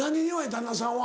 旦那さんは。